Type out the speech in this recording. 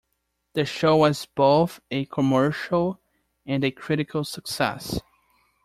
The show was both a commercial and a critical success.